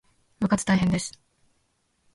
部活大変です